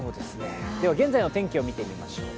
現在の天気を見てみましょう。